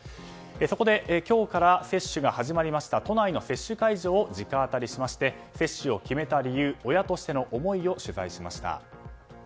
そこで今日から接種が始まりました都内の接種会場を直アタリしまして接種を決めた理由親としての思いを取材しました。